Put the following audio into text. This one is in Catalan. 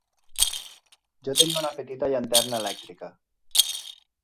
Jo tenia una petita llanterna elèctrica